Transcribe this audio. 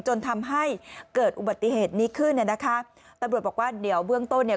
จนทำให้เกิดอุบัติเหตุนี้ขึ้นเนี่ยนะคะตำรวจบอกว่าเดี๋ยวเบื้องต้นเนี่ย